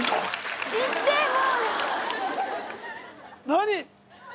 何！